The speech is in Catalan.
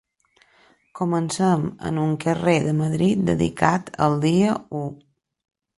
Comencem en un carrer de Madrid dedicat al dia u.